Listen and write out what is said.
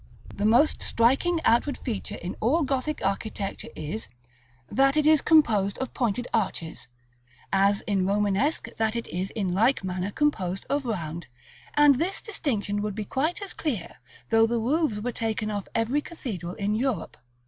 The most striking outward feature in all Gothic architecture is, that it is composed of pointed arches, as in Romanesque that it is in like manner composed of round; and this distinction would be quite as clear, though the roofs were taken off every cathedral in Europe.